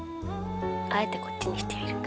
あえてこっちにしてみるか。